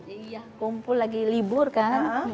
iya kumpul lagi libur kan